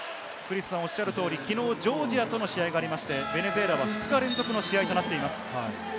きのう、ジョージアとの試合がありまして、ベネズエラは２日連続の試合となっています。